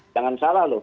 jangan salah loh